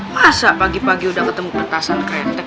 masa pagi pagi udah ketemu kertasan kretek